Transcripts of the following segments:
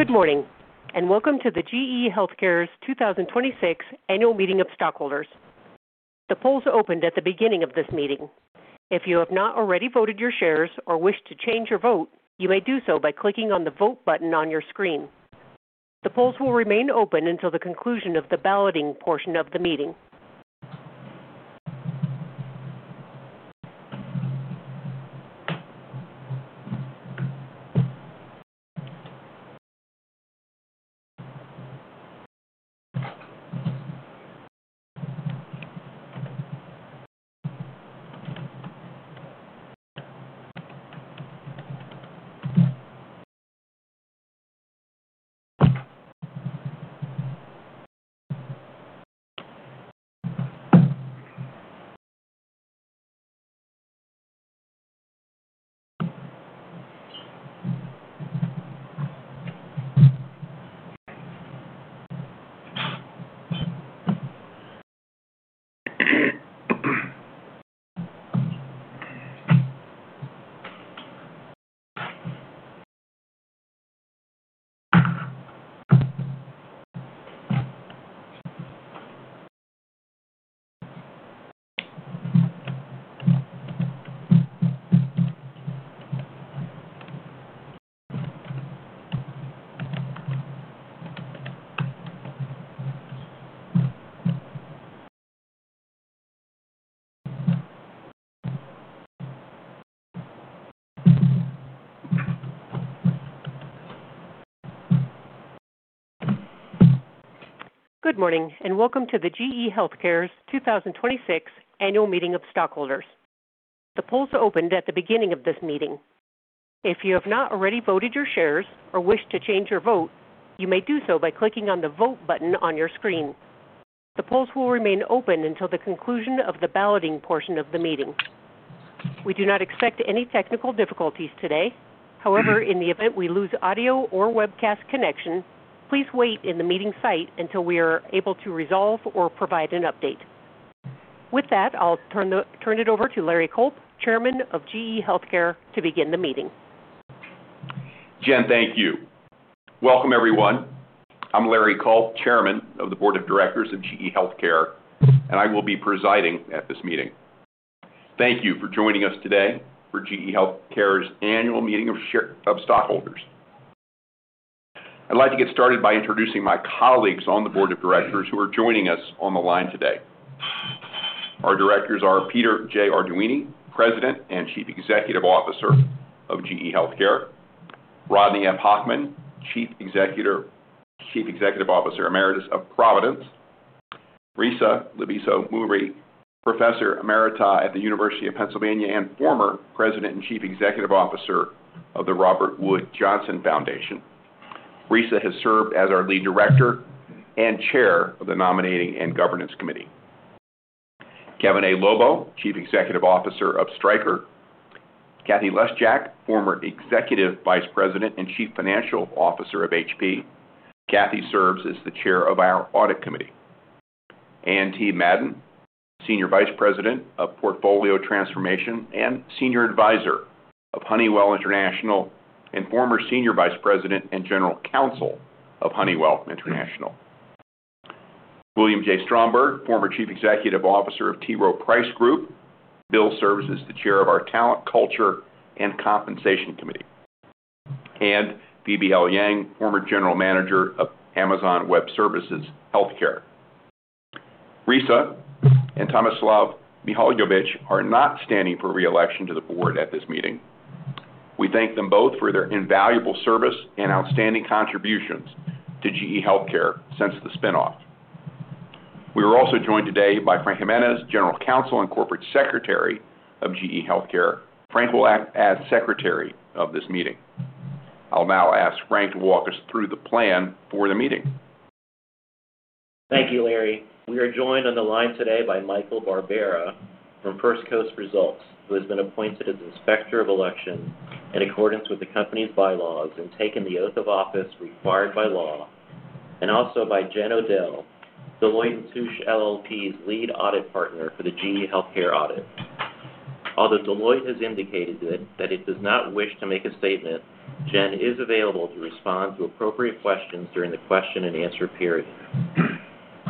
Good morning, welcome to the GE HealthCare's 2026 Annual Meeting of Stockholders. The polls opened at the beginning of this meeting. If you have not already voted your shares or wish to change your vote, you may do so by clicking on the Vote button on your screen. The polls will remain open until the conclusion of the balloting portion of the meeting. We do not expect any technical difficulties today. However, in the event we lose audio or webcast connection, please wait in the meeting site until we are able to resolve or provide an update. With that, I'll turn it over to Larry Culp, Chairman of GE HealthCare, to begin the meeting. Jen, thank you. Welcome, everyone. I'm Larry Culp, Chairman of the Board of Directors of GE HealthCare, and I will be presiding at this meeting. Thank you for joining us today for GE HealthCare's Annual Meeting of Stockholders. I'd like to get started by introducing my colleagues on the Board of Directors who are joining us on the line today. Our directors are Peter J. Arduini, President and Chief Executive Officer of GE HealthCare. Rodney F. Hochman, Chief Executive Officer Emeritus of Providence. Risa Lavizzo-Mourey, Professor Emerita at the University of Pennsylvania and former President and Chief Executive Officer of the Robert Wood Johnson Foundation. Risa has served as our Lead Director and Chair of the Nominating and Governance Committee. Kevin A. Lobo, Chief Executive Officer of Stryker. Catherine Lesjak, former Executive Vice President and Chief Financial Officer of HP. Catherine serves as the chair of our audit committee. Anne T. Madden, Senior Vice President of Portfolio Transformation and Senior Advisor of Honeywell International Inc., and former Senior Vice President and General Counsel of Honeywell International Inc. William J. Stromberg, former Chief Executive Officer of T. Rowe Price Group, Inc. Will serves as the chair of our Talent, Culture, and Compensation Committee. Phoebe L. Yang, former General Manager of Amazon Web Services. Risa Lavizzo-Mourey and Tomislav Mihaljevic are not standing for re-election to the board at this meeting. We thank them both for their invaluable service and outstanding contributions to GE HealthCare since the spin-off. We are also joined today by Frank Jimenez, General Counsel and Corporate Secretary of GE HealthCare. Frank will act as secretary of this meeting. I'll now ask Frank to walk us through the plan for the meeting. Thank you, Larry. We are joined on the line today by Michael Barbera from First Coast Results, who has been appointed as Inspector of Election in accordance with the company's bylaws and taken the oath of office required by law. Also by Jen O'Dell, Deloitte & Touche LLP's lead audit partner for the GE HealthCare audit. Although Deloitte has indicated that it does not wish to make a statement, Jen is available to respond to appropriate questions during the question and answer period.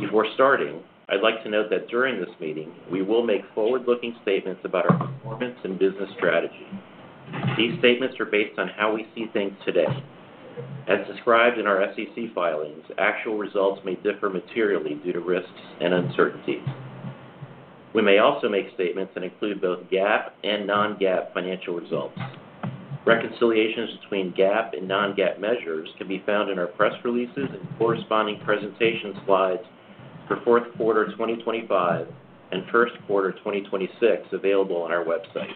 Before starting, I'd like to note that during this meeting, we will make forward-looking statements about our performance and business strategy. These statements are based on how we see things today. As described in our SEC filings, actual results may differ materially due to risks and uncertainties. We may also make statements that include both GAAP and non-GAAP financial results. Reconciliations between GAAP and non-GAAP measures can be found in our press releases and corresponding presentation slides for fourth quarter 2025 and first quarter 2026 available on our website.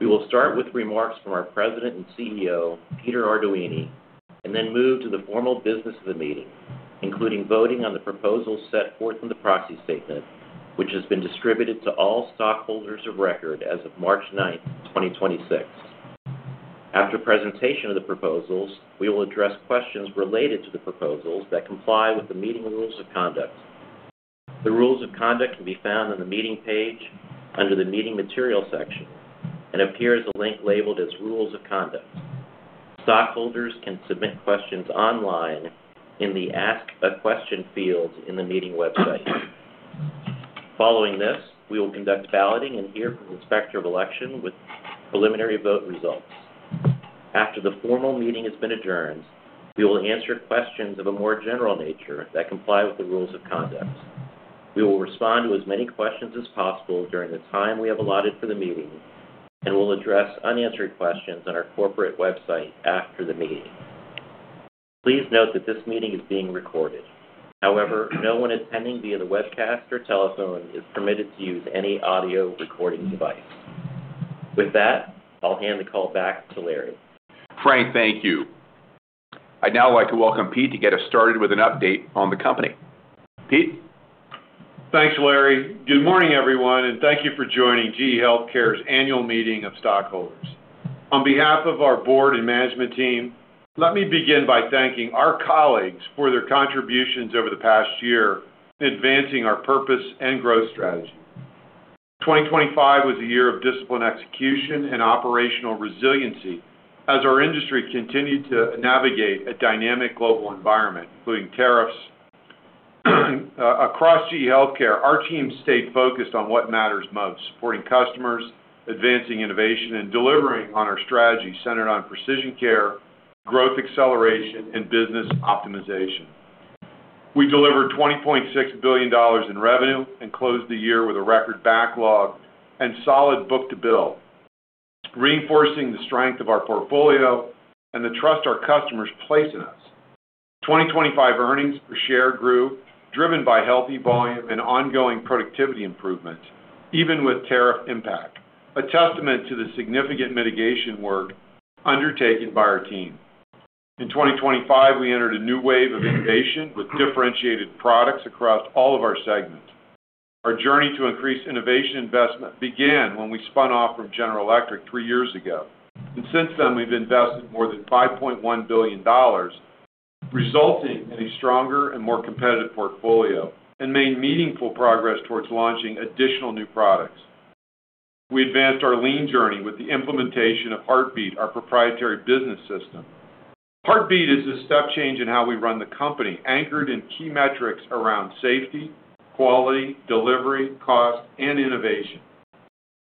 We will start with remarks from our President and CEO, Peter Arduini, and then move to the formal business of the meeting, including voting on the proposals set forth in the proxy statement, which has been distributed to all stockholders of record as of March 9, 2026. After presentation of the proposals, we will address questions related to the proposals that comply with the meeting rules of conduct. The rules of conduct can be found on the meeting page under the Meeting Materials section and appear as a link labeled as Rules of Conduct. Stockholders can submit questions online in the Ask a Question field in the meeting website. Following this, we will conduct balloting and hear from the Inspector of Election with preliminary vote results. After the formal meeting has been adjourned, we will answer questions of a more general nature that comply with the rules of conduct. We will respond to as many questions as possible during the time we have allotted for the meeting and will address unanswered questions on our corporate website after the meeting. Please note that this meeting is being recorded. However, no one attending via the webcast or telephone is permitted to use any audio recording device. With that, I'll hand the call back to Larry. Frank, thank you. I'd now like to welcome Pete to get us started with an update on the company. Pete? Thanks, Larry. Good morning, everyone, and thank you for joining GE HealthCare's annual meeting of stockholders. On behalf of our board and management team, let me begin by thanking our colleagues for their contributions over the past year in advancing our purpose and growth strategy. 2025 was a year of disciplined execution and operational resiliency as our industry continued to navigate a dynamic global environment, including tariffs. Across GE HealthCare, our team stayed focused on what matters most, supporting customers, advancing innovation, and delivering on our strategy centered on precision care, growth acceleration, and business optimization. We delivered $20.6 billion in revenue and closed the year with a record backlog and solid book-to-bill, reinforcing the strength of our portfolio and the trust our customers place in us. 2025 earnings per share grew, driven by healthy volume and ongoing productivity improvements, even with tariff impact, a testament to the significant mitigation work undertaken by our team. In 2025, we entered a new wave of innovation with differentiated products across all of our segments. Since then, we've invested more than $5.1 billion, resulting in a stronger and more competitive portfolio and made meaningful progress towards launching additional new products. We advanced our lean journey with the implementation of Heartbeat, our proprietary business system. Heartbeat is a step change in how we run the company, anchored in key metrics around safety, quality, delivery, cost, and innovation.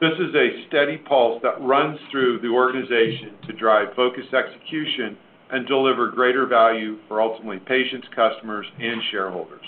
This is a steady pulse that runs through the organization to drive focused execution and deliver greater value for ultimately patients, customers, and shareholders.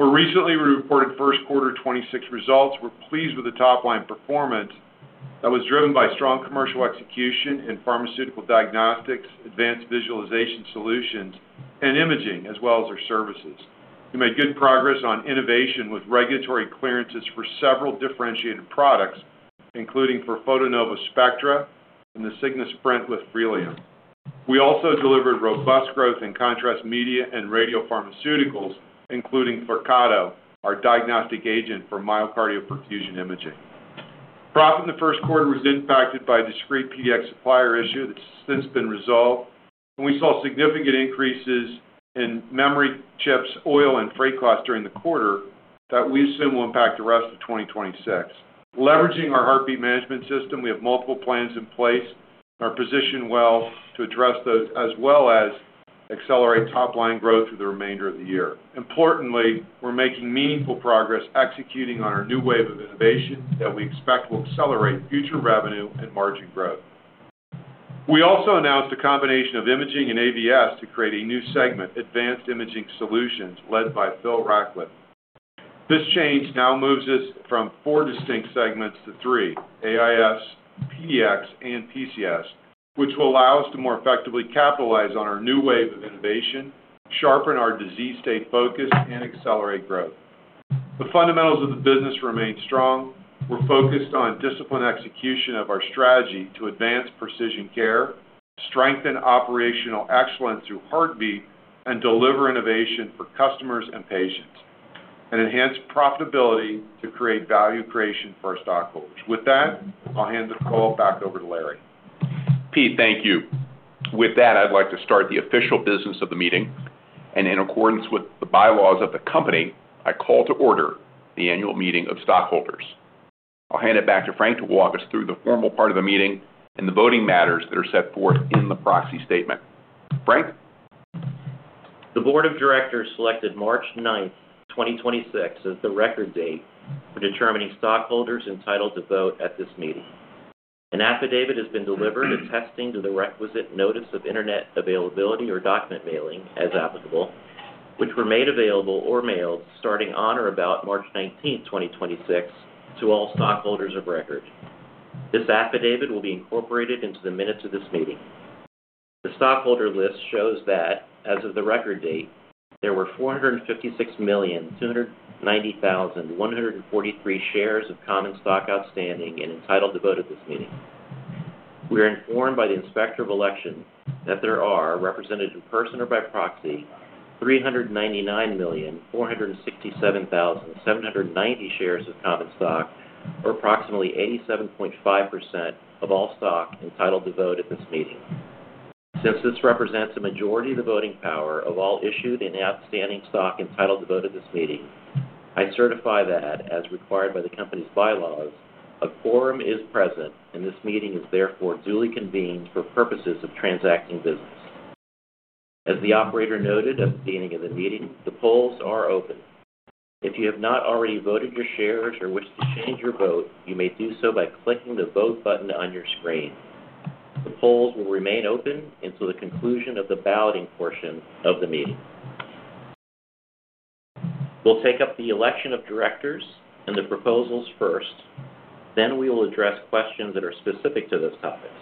Recently, we reported first quarter 2026 results. We're pleased with the top-line performance that was driven by strong commercial execution in Pharmaceutical Diagnostics, Advanced Visualization Solutions, and imaging, as well as our services. We made good progress on innovation with regulatory clearances for several differentiated products, including for Photonova Spectra and the SIGNA Sprint with Freelium. We also delivered robust growth in contrast media and radiopharmaceuticals, including Flyrcado, our diagnostic agent for myocardial perfusion imaging. Profit in the first quarter was impacted by a discrete PDx supplier issue that's since been resolved, and we saw significant increases in memory chips, oil, and freight costs during the quarter that we assume will impact the rest of 2026. Leveraging our Heartbeat Management System, we have multiple plans in place, and are positioned well to address those, as well as accelerate top-line growth through the remainder of the year. Importantly, we're making meaningful progress executing on our new wave of innovations that we expect will accelerate future revenue and margin growth. We also announced a combination of imaging and AVS to create a new segment, Advanced Imaging Solutions, led by Philip Rackliffe. This change now moves us from four distinct segments to three, AIS, PDx, and PCS, which will allow us to more effectively capitalize on our new wave of innovation, sharpen our disease state focus, and accelerate growth. The fundamentals of the business remain strong. We're focused on disciplined execution of our strategy to advance precision care, strengthen operational excellence through Heartbeat, and deliver innovation for customers and patients, and enhance profitability to create value creation for our stockholders. With that, I'll hand the call back over to Larry. Pete, thank you. With that, I'd like to start the official business of the meeting. In accordance with the bylaws of the company, I call to order the annual meeting of stockholders. I'll hand it back to Frank to walk us through the formal part of the meeting and the voting matters that are set forth in the proxy statement. Frank? The board of directors selected March 9th, 2026, as the record date for determining stockholders entitled to vote at this meeting. An affidavit has been delivered attesting to the requisite notice of internet availability or document mailing, as applicable, which were made available or mailed starting on or about March 19th, 2026, to all stockholders of record. This affidavit will be incorporated into the minutes of this meeting. The stockholder list shows that as of the record date, there were 456,290,143 shares of common stock outstanding and entitled to vote at this meeting. We are informed by the Inspector of Election that there are, represented in person or by proxy, 399,467,790 shares of common stock, or approximately 87.5% of all stock entitled to vote at this meeting. Since this represents a majority of the voting power of all issued and outstanding stock entitled to vote at this meeting, I certify that, as required by the company's bylaws, a quorum is present. This meeting is therefore duly convened for purposes of transacting business. As the operator noted at the beginning of the meeting, the polls are open. If you have not already voted your shares or wish to change your vote, you may do so by clicking the Vote button on your screen. The polls will remain open until the conclusion of the balloting portion of the meeting. We'll take up the election of directors and the proposals first, then we will address questions that are specific to those topics.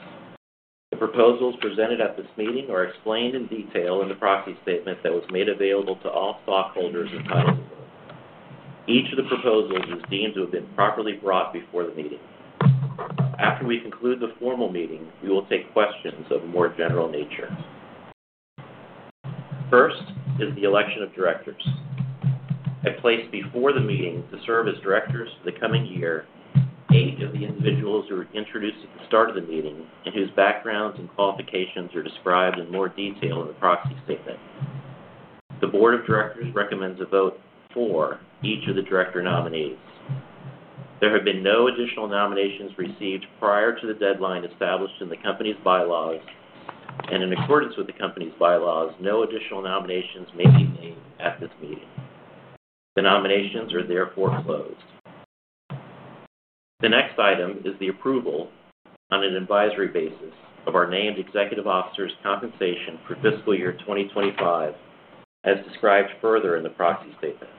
The proposals presented at this meeting are explained in detail in the proxy statement that was made available to all stockholders entitled to vote. Each of the proposals is deemed to have been properly brought before the meeting. After we conclude the formal meeting, we will take questions of a more general nature. First is the election of directors. I placed before the meeting to serve as directors for the coming year eight of the individuals who were introduced at the start of the meeting and whose backgrounds and qualifications are described in more detail in the proxy statement. The board of directors recommends a vote for each of the director nominees. There have been no additional nominations received prior to the deadline established in the company's bylaws. In accordance with the company's bylaws, no additional nominations may be made at this meeting. The nominations are therefore closed. The next item is the approval on an advisory basis of our named executive officers' compensation for fiscal year 2025, as described further in the proxy statement.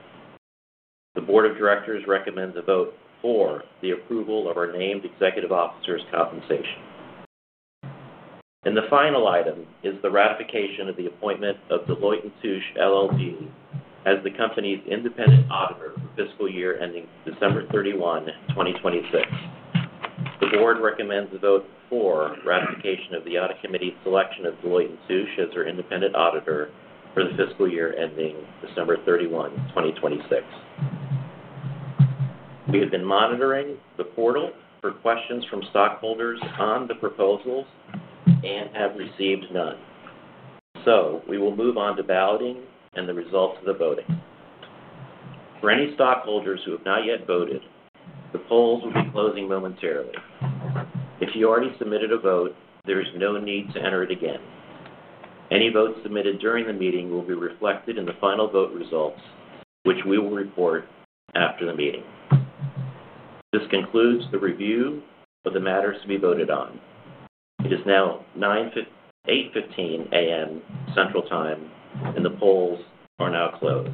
The board of directors recommend a vote for the approval of our named executive officers' compensation. The final item is the ratification of the appointment of Deloitte & Touche LLP, as the company's independent auditor for fiscal year ending December 31, 2026. The board recommends a vote for ratification of the audit committee's selection of Deloitte & Touche LLP as our independent auditor for the fiscal year ending December 31, 2026. We have been monitoring the portal for questions from stockholders on the proposals and have received none. We will move on to balloting and the results of the voting. For any stockholders who have not yet voted, the polls will be closing momentarily. If you already submitted a vote, there is no need to enter it again. Any votes submitted during the meeting will be reflected in the final vote results, which we will report after the meeting. This concludes the review of the matters to be voted on. It is now 8:15 A.M. Central Time, and the polls are now closed.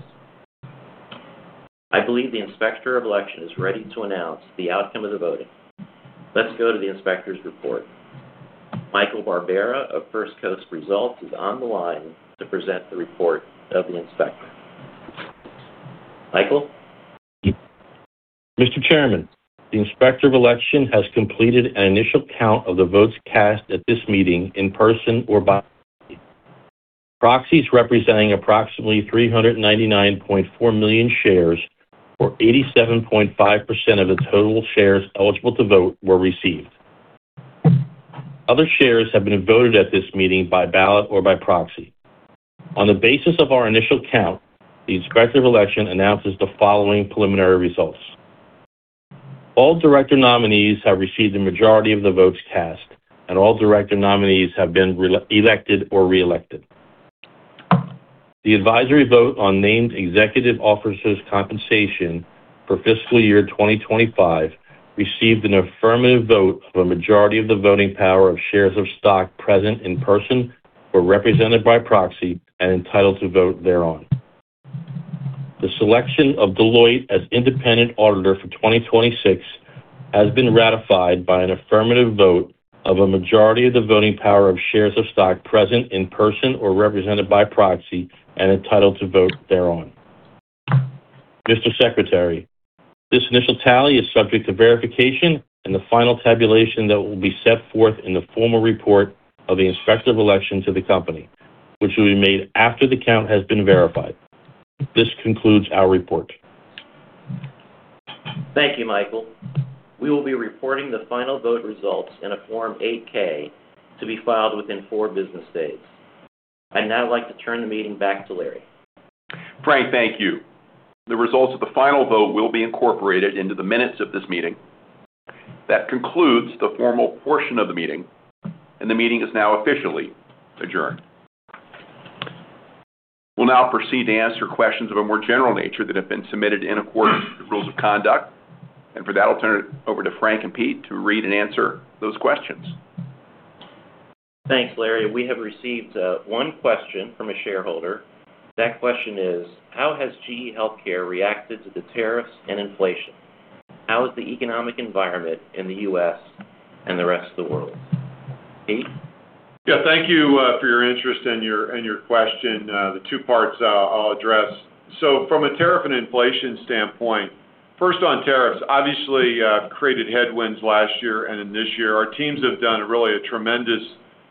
I believe the Inspector of Election is ready to announce the outcome of the voting. Let's go to the inspector's report. Michael Barbera of First Coast Results is on the line to present the report of the inspector. Michael? Mr. Chairman, the Inspector of Election has completed an initial count of the votes cast at this meeting in person or by proxy. Proxies representing approximately 399.4 million shares, or 87.5% of the total shares eligible to vote, were received. Other shares have been voted at this meeting by ballot or by proxy. On the basis of our initial count, the Inspector of Election announces the following preliminary results. All director nominees have received the majority of the votes cast, and all director nominees have been elected or reelected. The advisory vote on named executive officers' compensation for fiscal year 2025 received an affirmative vote of a majority of the voting power of shares of stock present in person or represented by proxy and entitled to vote thereon. The selection of Deloitte as independent auditor for 2026 has been ratified by an affirmative vote of a majority of the voting power of shares of stock present in person or represented by proxy and entitled to vote thereon. Mr. Secretary, this initial tally is subject to verification and the final tabulation that will be set forth in the formal report of the Inspector of Election to the company, which will be made after the count has been verified. This concludes our report. Thank you, Michael. We will be reporting the final vote results in a Form 8-K to be filed within four business days. I'd now like to turn the meeting back to Larry. Frank, thank you. The results of the final vote will be incorporated into the minutes of this meeting. That concludes the formal portion of the meeting, and the meeting is now officially adjourned. We'll now proceed to answer questions of a more general nature that have been submitted in accordance with rules of conduct. For that I'll turn it over to Frank and Pete to read and answer those questions. Thanks, Larry. We have received one question from a shareholder. That question is: How has GE HealthCare reacted to the tariffs and inflation? How is the economic environment in the U.S. and the rest of the world? Pete? Yeah, thank you for your interest and your, and your question. The two parts I'll address. From a tariff and inflation standpoint, first on tariffs, obviously, created headwinds last year and in this year. Our teams have done really a tremendous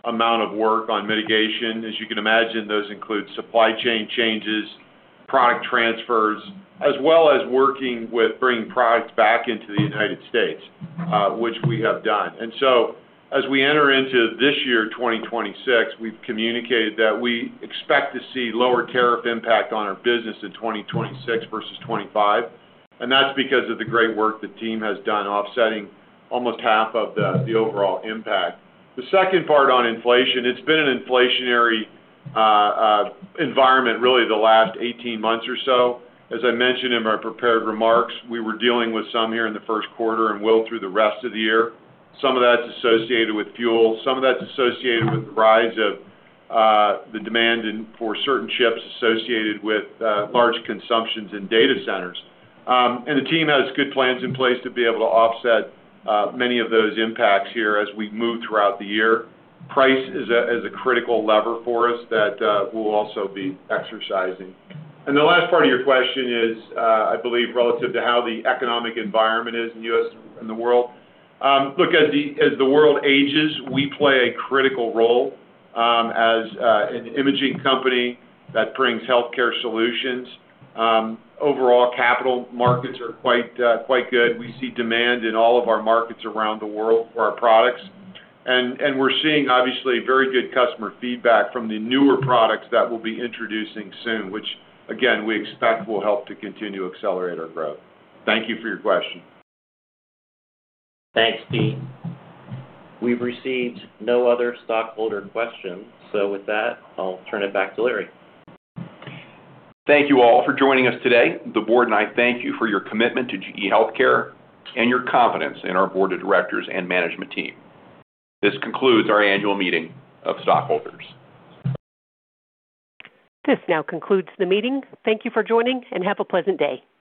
amount of work on mitigation. As you can imagine, those include supply chain changesProduct transfers, as well as working with bringing products back into the United States, which we have done. As we enter into this year, 2026, we've communicated that we expect to see lower tariff impact on our business in 2026 versus 25, and that's because of the great work the team has done offsetting almost half of the overall impact. The second part on inflation, it's been an inflationary environment really the last 18 months or so. As I mentioned in my prepared remarks, we were dealing with some here in the first quarter and will through the rest of the year. Some of that's associated with fuel, some of that's associated with the rise of the demand for certain chips associated with large consumptions in data centers. The team has good plans in place to be able to offset many of those impacts here as we move throughout the year. Price is a critical lever for us that we'll also be exercising. The last part of your question is, I believe relative to how the economic environment is in the U.S. and the world. Look, as the world ages, we play a critical role as an imaging company that brings healthcare solutions. Overall, capital markets are quite good. We see demand in all of our markets around the world for our products. We're seeing obviously very good customer feedback from the newer products that we'll be introducing soon, which again, we expect will help to continue to accelerate our growth. Thank you for your question. Thanks, Pete. We've received no other stockholder questions. With that, I'll turn it back to Larry. Thank you all for joining us today. The board and I thank you for your commitment to GE HealthCare and your confidence in our board of directors and management team. This concludes our annual meeting of stockholders. This now concludes the meeting. Thank you for joining, and have a pleasant day.